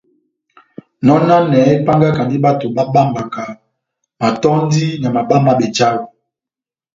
Nɔnanɛ épángakandi bato bábambwakani matɔ́ndi na mabá má bejawɛ.